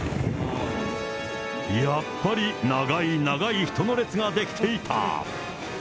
やっぱり長い長い人の列が出来ていた。